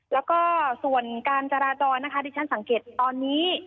แล้วก็ส่วนการจราจรนะคะที่ฉันสังเกตตอนนี้